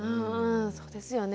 そうですよね。